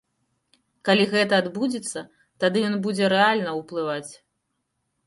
Калі гэта адбудзецца, тады ён будзе рэальна ўплываць.